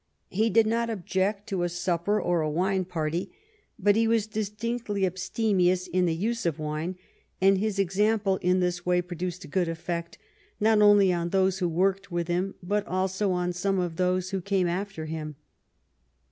He did not object to a supper or a wine party, but he was distinctly abstemious in the use of wine, and his example in this way produced a good effect, not only on those who worked with him, but also on some of those who came after him.